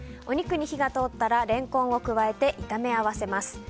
お肉に火が通ったらレンコンを加えて炒め合わせます。